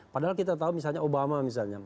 padahal kita tahu misalnya obama misalnya